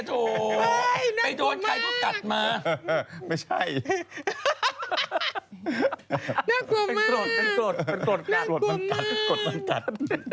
ชีวิตเศร้าชาวเกย์ถูกไปโดนใครก็กัดมาไม่น่ากลัวมากน่ากลัวมาก